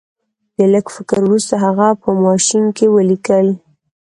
د لږ فکر وروسته هغه په ماشین کې ولیکل